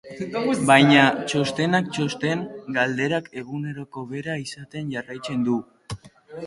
Baina, txostenak txosten, galderak eguneroko bera izaten jarraitzen du.